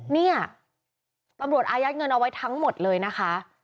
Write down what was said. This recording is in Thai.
เนี่ยตำรวจอายัดเงินเอาไว้ทั้งหมดเลยนะคะ